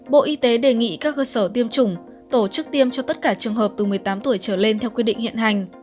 bộ y tế đề nghị các cơ sở tiêm chủng tổ chức tiêm cho tất cả trường hợp từ một mươi tám tuổi trở lên theo quy định hiện hành